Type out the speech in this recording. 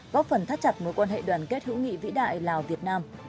góp phần thắt chặt mối quan hệ đoàn kết hữu nghị vĩ đại lào việt nam